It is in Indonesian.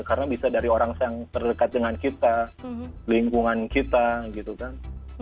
karena bisa dari orang yang terdekat dengan kita lingkungan kita gitu kan